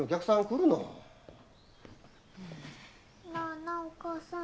なあなあお母さん。